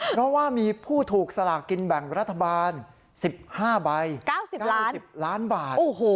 เพราะว่ามีผู้ถูกสลากกินแบ่งรัฐบาล๑๕ใบ๙๐ล้านบาท